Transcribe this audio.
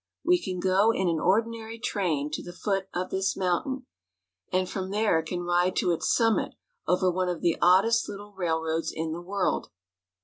We can go in an ordinary train to the foot of this mountain, and from there can ride to its summit over one of the oddest little railroads in the world.